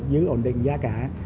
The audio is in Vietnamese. giữ ổn định giá cả